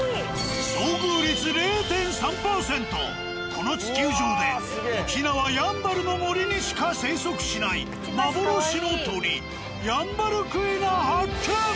この地球上で沖縄・やんばるの森にしか生息しない幻の鳥ヤンバルクイナ発見。